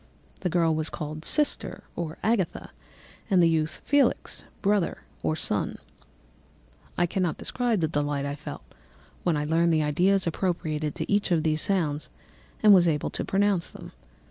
_ The girl was called sister or Agatha, and the youth Felix, brother, or son. I cannot describe the delight I felt when I learned the ideas appropriated to each of these sounds and was able to pronounce them.